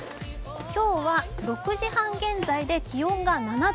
今日は６時半現在で気温が７度。